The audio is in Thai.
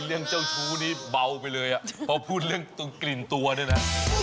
เรื่องเจ้าชู้นี้เบาไปเลยเพราะพูดเรื่องกลิ่นตัวด้วยนะ